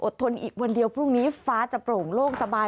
ทนอีกวันเดียวพรุ่งนี้ฟ้าจะโปร่งโล่งสบาย